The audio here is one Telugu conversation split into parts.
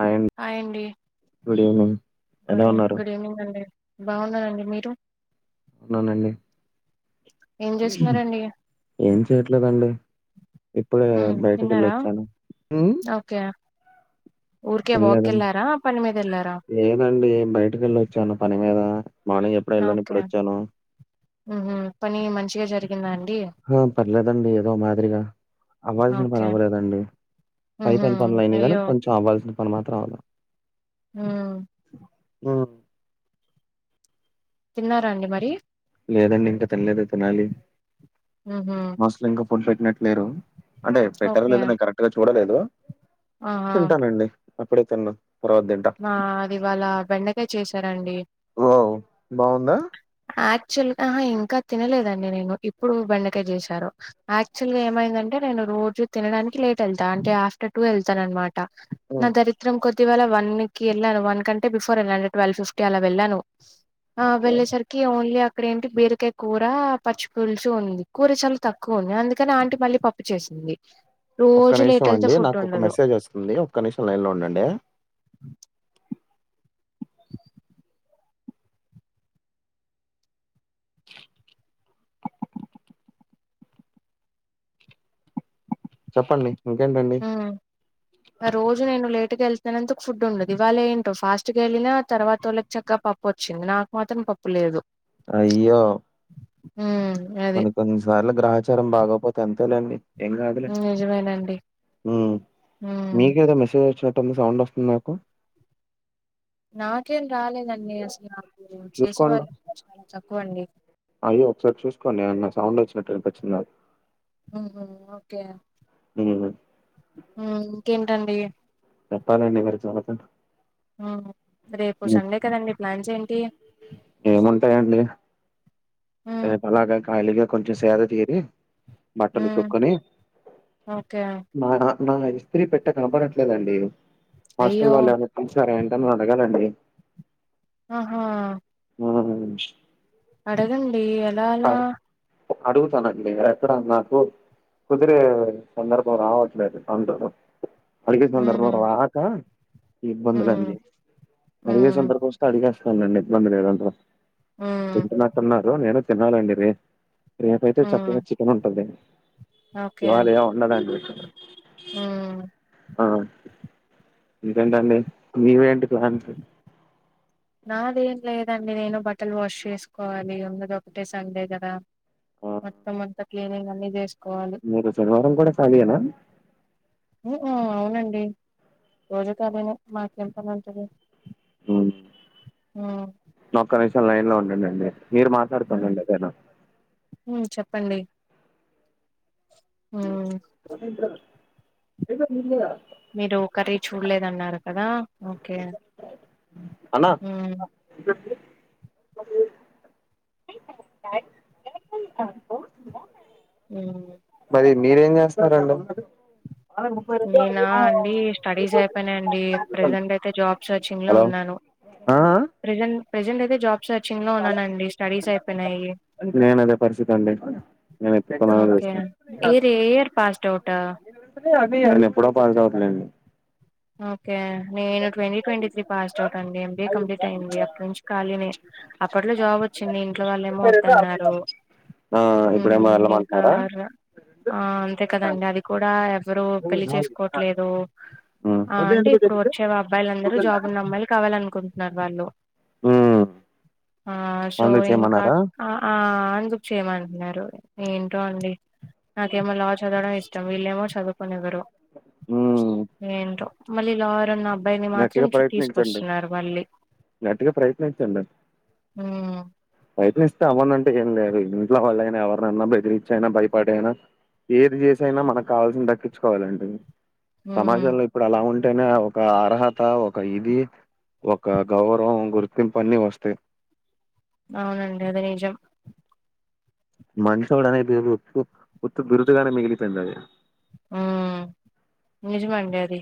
హాయ్ అండి హాయ్అండి గుడ్ ఈవినింగ్ ఎలా గుడ్ ఉన్నారు గుడ్ ఈవెనింగ్ అండి బావున్నారండి మీరు ఉన్నానండి ఏం చేస్తున్నారండి? ఏం చేయట్లేదండి ఇప్పుడే హ్మ్ బయటకి వెళ్ళొచ్చాను కే ఊరికే వాక్ తినలేదండి ఎళ్ళెరా పని మీద వెళ్ళరా లేదండి బయటకి వెళ్ళ వచ్చాను పని మీద మార్నింగ్ ఎప్పుడో వెళ్ళాను ఇప్పుడు వచ్చాను ఉహు పని మంచిగా జరిగిందా అండి ఆ పర్లేదండి ఏదో మాదిరిగా అవాల్సిన పని ఓకే అవ్వలేదండి పై హుహు పైన పనులు అయినియి గానీ అయ్యో! కొంచెం అవ్వాల్సిన పనులు మాత్రం అవ్వాల ఉమ్ ఉమ్ తిన్నారాఅండి మరి లేదండి ఇంకా తినలేదు తినాలి ఉహు మెస్ లో ఇంకా ఫుడ్ పెట్టినట్లేరు అంటే పెట్టరొ ఓకే లేదో నేను కరెక్ట్ గా చూడలేదు ఆహా! తింటానండి అప్పుడె తినను తర్వత తింట మాది ఇవాళ్ళ బెండకాయ చేసానండి బావుందా యాక్చువల్ గా ఇంకా తినలేదండి నేను ఇప్పుడు బెండకాయ చేశారు యాక్చువల్ గా ఏమైందంటే నేను రోజు తినడానికి లేట్ వెళ్తా అంటే ఆఫ్టర్ టూ వెళ్తాను అన్నమాట నా ఉమ్, దరిద్రం కొద్ధి ఇవాల వన్ వెళ్ళను వన్ కంటే బిఫోర్ వెళ్ళను ట్వల్ ఫిఫ్టీ అలా వెళ్ళను ఓకే వెళ్ళేసరి కి ఓన్లీ అక్కడ ఏంటి బీరకాయ కూర పచ్చి పులుసు ఉంది కూర చాలా తక్కువ ఉంది అందుకని ఆంటీ మళ్ళీ పప్పు చేసింది ఒక్క రోజు లేట్ నిమిషం వెళ్తే అండి ఫుడ్ నాకు ఒక ఉండదు మెసేజ్ వస్తుంది ఒక్క నిమిషం లైన్ లో ఉండండి చెప్పండి ఇంకేంటండి హ్మ్. రోజు నేను లేటుగా వెళ్తున్నానందుకు ఫుడ్ ఉండదు ఇవాళ ఏంటో ఫాస్ట్ గా వెళ్ళినా తర్వాత వాళ్ళకి చక్కగా పప్పు వచ్చింది నాకు మాత్రం పప్పు లేదు అయ్యో ఉమ్ మన కి కొన్ని సార్లు గ్రహాచారం బాగొకపోతే అంతేలేండి ఎంకాదులే నిజమేనండి. హ్మ్ మీకేదో మెసేజ్ వచ్చినట్టుంది సౌండ్ వస్తుంది నాకు నాకేం రాలేదండి అసల నాకు చేసే చూసుకోండి వాళ్ళు చాలా తక్కువ అండి అయ్యో ఒకసారి చూసుకోండి ఏవన్న సౌండ్ వచ్చినట్టు అనిపిచ్చింది నా ఉహు ఓకే ఉ ఉ ఇంకేంటండి చెప్పాలండి మీరు చబితే ఆ రేపు సండే కదండి ప్లాన్స్ ఏంటి ఏముంటాయండి హ్మ్. రేపు అలాగా ఖాళీగా కొంచెం సేద తీరి బట్టలు హ్మ్. ఉతుక్కొని ఓకే నా నా ఇస్తరీ పెట్ట కనపడట్లేదండి అయ్యో! హాస్టల్ వాళ్ళు ఏవన్న తీసారా ఏంటని అడగాలండి ఆహా ఆ అడగండి ఎలా అలా అడుగుతానండి ఎక్కడ నాకు కుదిరే సందర్భం రావట్లేదు అంటుడు అడిగే సందర్భం హ్మ్. రాక ఈ హ్మ్. ఇబ్బందులన్నీ అడిగే హ్మ్. సందర్భం అడిగేస్తానులెండి ఇబ్బంది లేదు అందులో హ్మ్. తిన్నట్టున్నారు నేను తినాలండిరి రేపైతే హ్మ్. చక్కగా చికెన్ ఉంటది ఇవాళ ఏం ఉండదు అండి ఊ ఆ ఇకేంటండి నీవేంటి ప్లాన్స్ నాదేం లేదండి నేను బట్టలు వాష్ చేసుకోవాలి ఉన్నది ఒకటే సండే కదా ఆ మొత్తం అంతా క్లీనింగ్ అన్ని చేసుకోవాలి మీరు శనివారం కూడా కాలియేన అవునండి రోజు కాలినే మాకేం పని ఉంటుంది ఉమ్, ఆ ఒక్క నిమిషం లైన్ లో ఉండండండి మీరు మాట్లాడుతూ ఉండండి ఏదైన ఉ చెప్పండి ఊ [unintelligible] మీరు కర్రీ చూడలేదన్నారు కదా ఓకే అన్న ఉ ఎయిర్టెల్ పాస్పోర్ట్ నాట్ అల్లోవెడ్ [unintelligible] ఉ మరి మీరేం చేస్తారండి నేనా అండి స్టడీస్ అయిపోయినయండి ప్రజెంట్ అయితే జాబ్స్ సెర్చింగ్ లో ఉన్నాను అ ఆ ప్రజెంట్ ప్రెజెంట్ అయితే జాబ్ సెర్చింగ్లో ఉన్నానండి స్టడీస్ అయిపోయినాయి నేను అదే పరిస్థితి అండి నేను ఎత్తుకునే ఓకే చేస్తాను ఇయర్ ఎ ఇయర్ పాసుడ్ ఔటా నేను ఎప్పుడో పాసుడ్ ఔట్ లెండి ఓకే నేను twenty twenty three passed out అండి ఎంబీఏ కంప్లీట్ అయింది అప్పు నుంచి ఖాళీనే అప్పట్లో జాబ్ వచ్చింది ఇంట్లో వాళ్ళేమో వద్దన్నారు ఆ హ్మ్ ఇప్పుడేమో ఇంకా వెళ్ళమంటున్నారా ర ఆ అంతే కదండి అది కూడా ఎవరు పెళ్లి చేసుకోవట్లేదు ఆ అంటే ఇప్పుడు వచ్చే అబ్బాయిలందరు జాబ్ ఉన్న అమ్మాయిలు కావాలనుకుంటున్నారు వాళ్ళు మ్మ్ ఆ సో అందుకు ఇంకా చేయమన్నారా అ ఆ అందుకు చేయమంటున్నారు ఏంటో అండి నాకేమో లా చదవడం ఇష్టం వీళ్ళేమో చదువుకొనివ్వారు చ్ మ్మ్ ఏంటో మళ్ళీ లాయర్ అన అబ్బాయిని మాత్రం గట్టిగా ప్రయత్నించండి తీసుకొస్తున్నారు మళ్ళీ గట్టిగా ప్రయత్నించండి ఉం ప్రయత్నిస్తే అవ్వనంటే ఏం లేదు ఇంట్లో వాళ్ళైనా ఎవరినన్న బెదిరించి అయినా భయపడి అయినా ఏది చేసైనా మనకు కావాల్సిన దక్కిచు కోవలండి హ్మ్ సమాజంలో ఇప్పుడు అలా ఉంటేనే ఒక అర్హత ఒక ఇది ఒక గౌరవం గుర్తింపు అన్ని వస్తాయి అవునండి అది నిజం మంచోడు అనే బిరుదు ఉ ఉత్త బిరుదు గానే మిగిలిపోయింది అది ఆ నిజమండీ అది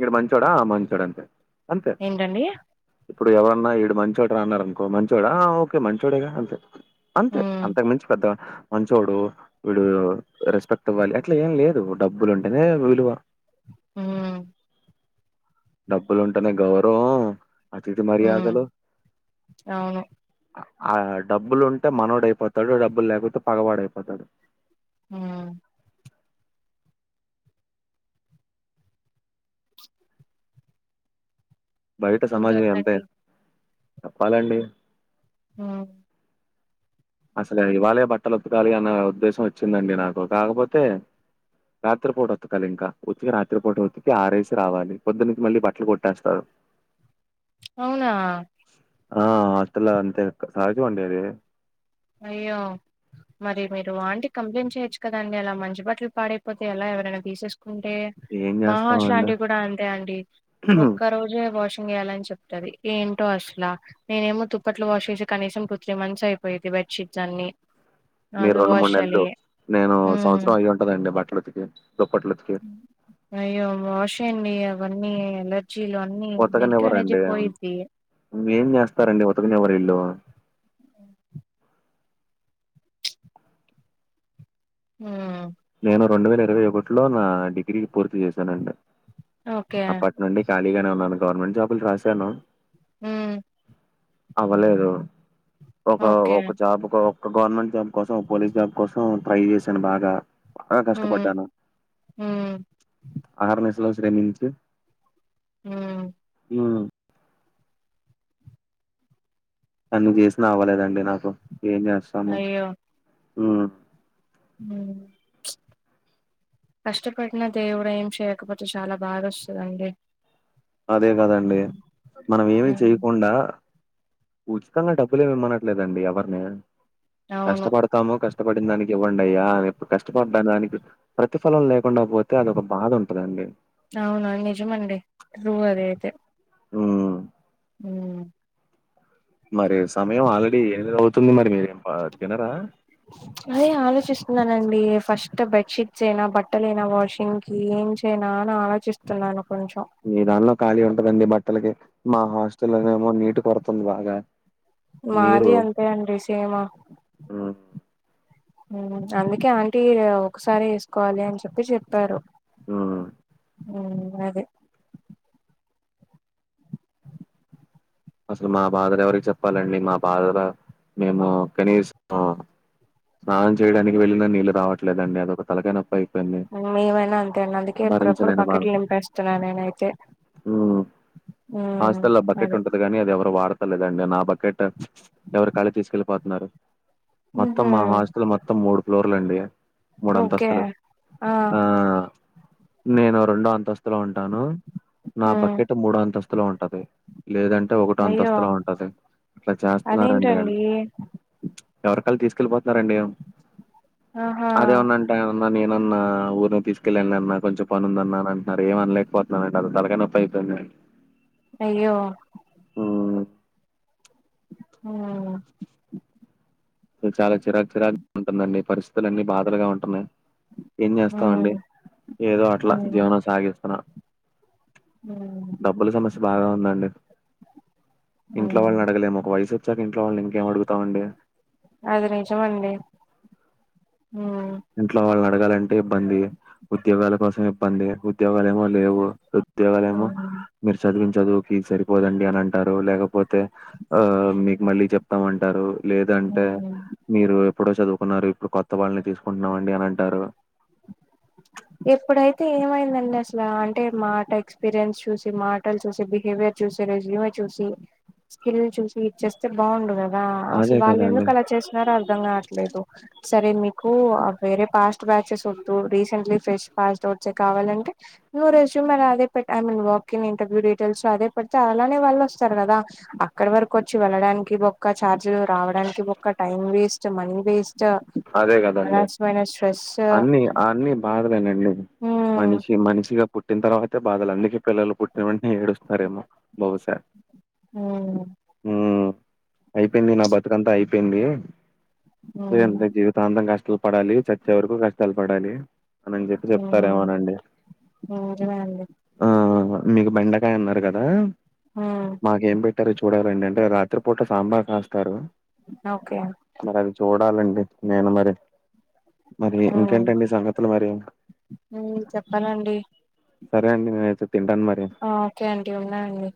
ఈడు మంచోడా మంచోడు అంతే అంతే ఏంటండి ఇప్పుడు ఎవరన్నా ఈడు మంచోడురా అన్నారు అనుకో మంచొడా ఆ ఓకే మంచోడేగా అంతే అంతే హ్మ్ అంతకు మించి పెద్దగా మంచోడు వీడు రెస్పెక్ట్ ఇవ్వాలి అట్లా ఏం లేదు డబ్బులు ఉంటేనే విలువ ఉం డబ్బులు ఉంటేనే గౌరవం అతిధి హ్మ్ మర్యాదలు అవును ఆ డబ్బులు ఉంటే మనోడు అయిపోతాడు డబ్బులు లేకపోతే పగవాడ అయిపోతాడు ఉం బయట సమాజం ఎంతే ఇంకేంటండి చెప్పాలండి ఉం అసలే ఇవాళే బట్టలుతకాలి అన్న ఉద్దేశం వచ్చిందండి నాకు కాకపోతే రాత్రిపూట ఉతకాలి ఇంకా ఉతికి రాత్రిపూట ఉతికి ఆరేసి రావాలి పొద్దున్నంచి మళ్ళీ బట్టలు కొట్టేస్తారు అవునా ఆ హాస్టల్ అంతే సాహజ వండేది అయ్యో మరి మీరు ఆంటికి కంప్లైంట్ చేయొచ్చు కదా అండి అలా మంచి బట్టలు పాడైపోతే ఎలా ఎవరైనా తీసేసుకుంటే ఏం మా హాస్టల్ చేస్తామండి ఆంటీ కూడా అంతే అండి ఒక్క రోజే వాషింగ్ చేయాలని చెప్ ది ఏంటో అసలా నేనేమో దుప్పట్లు వాష్ చేసి కనీసం టూ త్రీ మంత్స్ అయిపోయేది బట్ షీట్స్ అన్ని మీరు రెండు మూడు నెలలు నేను హ్మ్. సంవత్సరం అయి ఉంటదండి బట్టలుతికి దుప్పట్లతికి అయ్యో వాష్ చేయండి అవన్నీ ఎలర్జీలు అన్నీ మీ నెగిటివ్ అనర్జీ పోయిది ఇంగేం చేస్తారండి ఉతకినివరూ వీళ్లు అ ఉం నేను రెండు వేల ఇరవై ఒకటిలో నా డిగ్రీ పూర్తి చేశానండి ఓకే అప్పటి నుండి ఖాళీగానే ఉన్నాను గవర్నమెంట్ జాబులు రాశాను ఉం అవ్వలేదు ఒక ఓకే. ఒక జాబ్ ఒక ఒక గవర్నమెంట్ జాబ్ కోసం పోలీస్ జాబ్ కోసం ట్రై చేశాను బాగా బాగా హ్మ్. కష్టపడ్డాను హ్మ్. అహర్నిశలు శ్రమించి ఊ ఊ అన్ని చేసినా అవ్వలేదండి నాకు ఏం చేస్తాము అయ్యో! ఊ కష్టపడిన దేవుడు ఏం చేయకపోతే చాలా బాద వస్తుందండి అదే కదండి మనం ఏమి హ్మ్. చేయ్యకుండా ఉచితంగా డబ్బులేమి ఇమనట్లేదండి ఎవరిని అవును. కష్టపడతాము కష్టపడిన దానికి ఇవ్వంయ్యా అనిప్పుడు కష్టపడ్డ దానికి ప్ర ప్రతి ఫలం లేకుండా పోతే అది ఒక బాధ ఉంటుందండి అవును నిజమండి ట్రూ అదయితే ఊ ఊ మరి సమయం ఆల్రెడీ ఎనిమిది అవుతుంది మరి మీరేం తినరా అదే ఆలోచిస్తున్నానండి ఫస్ట్ బెడ్ షీట్స్ ఏనా బట్టలు ఏనా వాషింగ్ కీ ఏం చేయనా అని ఆలోచిస్తున్నాను కొంచెం మీ దానిలో ఖాళీ ఉంటదండి బట్టలకి మా హాస్టల ఏమో నీటి కొరతుంది బాగా మాది అంతే అండి సేమా ఊ ఊ అందుకే ఆంటీ ఒకసారి వేసుకోవాలి అని చెప్పి చెప్పారు ఊ ఊ అదే అసలు మా బాధల్ ఎవరికి చెప్పాలండి మా బాధర్ మేము కనీసం ఉ స్నానం చేయడానికి వెళ్లిన నీళ్లు రావట్లేదండి అదొక తలకానప్పయి మేమైనా అంతే అండి అందుకే ఎప్పుడప్పుడు భరించలేని బకెట్లు నింపేస్తున్నాను నేనైతే ఊ ఊ అదే కానీ అది ఎవరు వాడత లేదండి నా బకెట్ ఎవరు కాళ్ళే తీసుకెల్లిపోతున్నారు మొత్తం హుహు. మా హాస్టల్ మొత్తం మూడు ఫ్లోర్లు అండి ఓకే. మూడంతస్థులు ఆ నేను రెండో అంతస్తులో ఉంటాను నా హ్మ్ బకెట్ మూడో అంతస్తులో ఉంటది లేదంటే టే ఒకటో అయ్యో అంతస్తులో ఉంటది ఇట్లా చేస్తున్నారండిళ్ళు అదేంటండి ఎవరికాల్ తీసుకెళ్ళిపోతున్నారండి ఆహా అదేమన్నన్ టే అన్నా నేనన్నా ఊరినే తీసుకెళ్ళాలే అన్నా కొంచం పనుందన్నా అంటున్నారు ఏమనలేకపో నాక్ పెద్ద తలకాయ్ నొప్పి అయిపోయింది అయ్యో హ్మ్. ఊ చాలా చిరాకు చిరాగ ఉంటుందండి పరిస్థితులు అన్నీ బాధలుగా ఉంటున్నాయి ఏం హ్మ్ చేస్తావండి ఏదో అట్లా హ్మ్ జీవనం సాగిస్తున్నా ఊ డబ్బుల సమస్య బాగా ఉందండి ఇంట్లో హ్మ్ వాళ్ళని అడగలేము ఒక వయసొచ్చాక ఇంట్లో వాళ్ళని ఇంకేం అడుగుతామండి అది నిజమండీ ఊ ఇంట్లో వాళ్ళని అడగాలంటే ఇబ్బంది ఉద్యోగాల కోసం ఇబ్బంది ఉద్యోగాలు ఏమో లేవు ఉద్యోగాలేమో హ్మ్ మీరు చదివిం చదువుకి ఇది సరిపోదండి అని అంటారు లేకపోతే ఆ మీకు మళ్ళీ చెప్తామంటారు లేదంటే హ్మ్ మీరు ఎప్పుడో చదువుకున్నారు ఇప్పుడు కొత్త వాళ్ళని తీసుకుంటున్నాం అండి అని అంటారు ఎప్పుడైతే ఏమైందండి అసలా అంటే మాట ఎక్స్పీరియన్స్ చూసి మాటలు చూసి బిహేవియర్ చూసి రెస్యుమే చూసి స్కిల్ చూసి ఇచ్చేస్తే బాగుండు గద ఆ అదే అసలు వాళ్ళు కదండి ఎందుకు అలా చేసినారో అర్ధం కావట్లేదు సరే మీకు వేరే పాస్ ట్యూచెస్ వొద్దు రీసెంట్లీ ఫ్రెష్ పాస్డ్ ఔట్సె కావాలంటే నువ్వు రెజ్యూమే అదే పెట్ I mean walk in interview details అదే పెడితే అలానే వాళ్ళు వస్తారు కదా అక్కడ వరకు వచ్చి వెళ్ళడానికి బొక్క ఛార్జీలు రావడానికి బొక్క టైం వేస్ట్ మనీ వేస్ చ అదే కదండి అనవసరమైన స్ట్రెస్సు అన్ని అన్ని బాధలేనండి మనిషి మనిషిగా పుట్టి ఇంత తర్వాతే బాధలు అందుకే పిల్లలు పుట్టిన వెంటనే ఏడుస్తారేమో బహుశా ఉ ఊ అయిపోయింది నా బతుకంతా అయిపోయింది హ్మ్ ఏంది జీవితాంతం కష్టాలు పడాలి చచ్చే వరకు కష్టాలు పడాలి అనిని చెప్పి హ్మ్ చెప్తారేమోనండి నిజమే అండి ఆ ఆ నీకు బెండకాయ్ అన్నారు కదా ఉ మాకేం పెట్టారో చూడాలండి అంటే రాత్రిపూట సాంబార్ కాస్తారు ఓకే మరది చూడాలండి నేను మరి మరి ఇంకేంటండి సంగతులు మరి ఉ చెప్పాలండి సరే అండి నేనయితే తింటాన్ మరి కే అండి ఉన్నా అండి